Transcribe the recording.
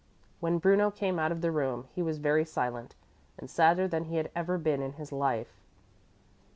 When Bruno came out of the room he was very silent and sadder than he had ever been in his life.